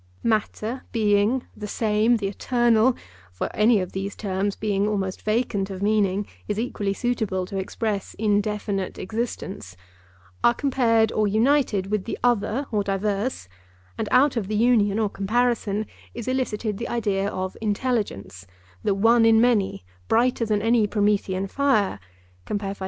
Matter, being, the Same, the eternal,—for any of these terms, being almost vacant of meaning, is equally suitable to express indefinite existence,—are compared or united with the Other or Diverse, and out of the union or comparison is elicited the idea of intelligence, the 'One in many,' brighter than any Promethean fire (Phil.)